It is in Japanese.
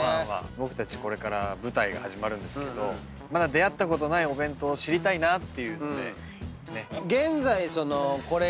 僕たち舞台が始まるんですけどまだ出合ったことないお弁当知りたいなっていうので。